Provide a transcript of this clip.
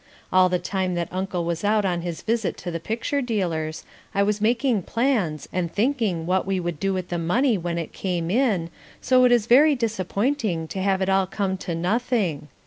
All the time that Uncle was out on his visit to the picture dealers, I was making plans and thinking what we would do with the money when it came in, so it is very disappointing to have it all come to nothing.